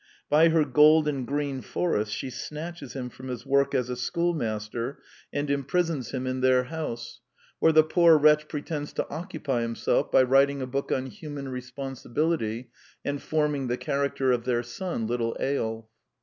By her gold and green forests she snatches him from his work as a schoolmaster and imprisons 150 The Quintessence of Ibsenism him in their house, where the poor wretch pre tends to occupy himself by writing a book on Human Responsibility, and forming the character of their son, little Eyolf.